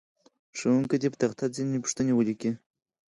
ښوونکی دې په تخته ځینې پوښتنې ولیکي.